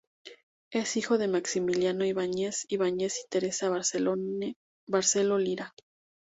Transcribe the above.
Es hijo de Maximiliano Ibáñez Ibáñez y Teresa Barceló Lira.